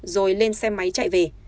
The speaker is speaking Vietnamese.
rồi lên xe máy chạy về